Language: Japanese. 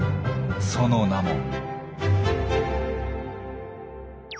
その名も。